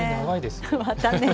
またね。